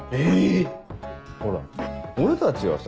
ほら俺たちはさ